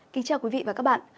kính chào quý vị và các bạn